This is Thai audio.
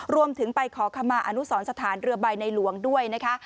รวมถึงไปขอคำมาอนุสรสถานเรือใบในหลวงด้วยนะคะ